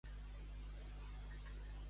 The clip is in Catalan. Acabar a Sonella.